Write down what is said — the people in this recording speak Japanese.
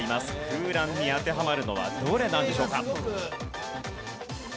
空欄に当てはまるのはどれなんでしょうか？